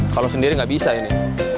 kalau sendiri nggak bisa ini